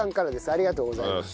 ありがとうございます。